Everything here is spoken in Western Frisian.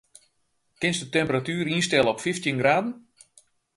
Kinst de temperatuer ynstelle op fyftjin graden?